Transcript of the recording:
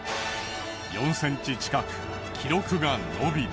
４センチ近く記録が伸びた。